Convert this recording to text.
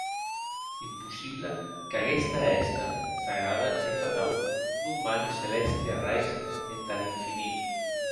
Impossible qu’aguesta hèsta sagrada e fatau non mane celèsti arrais entar infinit.